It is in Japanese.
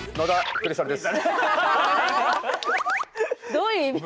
どういう意味。